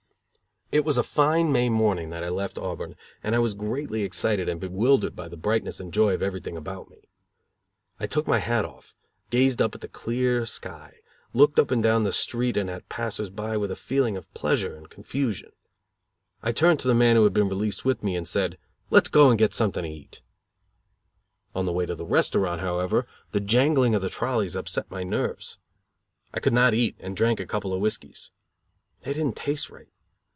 It was a fine May morning that I left Auburn and I was greatly excited and bewildered by the brightness and joy of everything about me. I took my hat off, gazed up at the clear sky, looked up and down the street and at the passers by, with a feeling of pleasure and confusion. I turned to the man who had been released with me, and said, "Let's go and get something to eat." On the way to the restaurant, however, the jangling of the trolleys upset my nerves. I could not eat, and drank a couple of whiskies. They did not taste right.